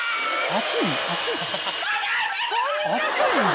熱い。